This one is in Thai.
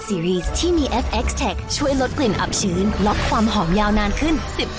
เดี๋ยวไปกดตามจากคาฟอร์แชช์พร้อมใช้แป๊บนึง